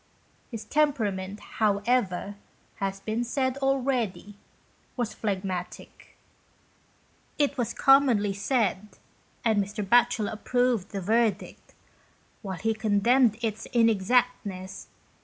His temperament, however, as has been said already, was phlegmatic. It was commonly said, and Mr. Batchel approved the verdict, whilst he condemned its inexactness, 29 GHOST TALES.